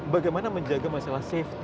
bagaimana menjaga masalah safety